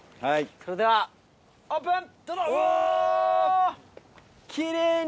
はい。